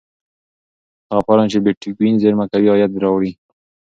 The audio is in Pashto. هغه فارم چې بېټکوین زېرمه کوي عاید راوړي.